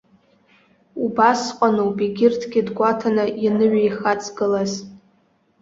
Убасҟаноуп егьырҭгьы дгәаҭаны ианыҩеихаҵгылаз.